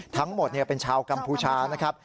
ทั้งหมดเป็นชาวกัมพูชานะครับ